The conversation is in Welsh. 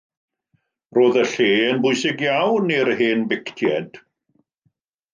Roedd y lle yn bwysig iawn i'r hen Bictiaid.